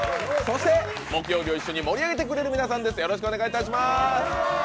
そして木曜日を一緒に盛り上げてくれる皆さんです。